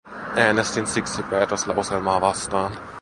Äänestin siksi päätöslauselmaa vastaan.